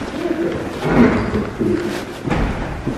Teil der Trilogie".